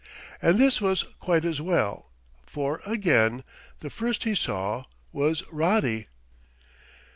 And this was quite as well: for again the first he saw was Roddy.